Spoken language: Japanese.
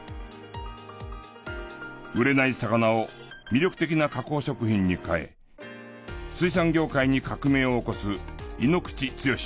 売れない魚を魅力的な加工食品に変え水産業界に革命を起こす井口剛志。